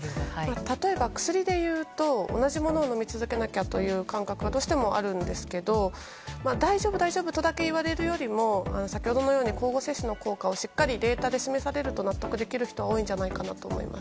例えば薬でいうと同じものを飲み続けなきゃという感覚がどうしてもあるんですけど大丈夫、大丈夫とだけ言われるよりも先ほどのように交互接種の効果をデータで示されると納得できる方は多いんじゃないかなと思います。